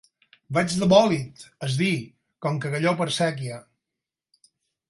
Vaig de bòlit, és dir, com cagalló per sèquia.